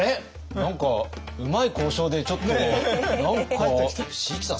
何かうまい交渉でちょっと何か椎木さん